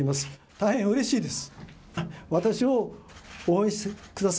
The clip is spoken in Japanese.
大変うれしいです。